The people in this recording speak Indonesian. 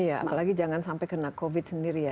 iya apalagi jangan sampai kena covid sendiri ya